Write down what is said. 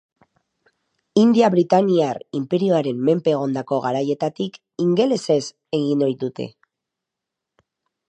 India Britainiar inperioaren menpe egondako garaietatik ingelesez egin ohi dute.